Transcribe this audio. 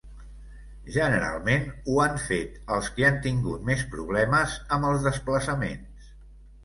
Generalment, ho han fet els que han tingut més problemes amb els desplaçaments.